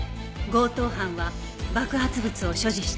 強盗犯は爆発物を所持していた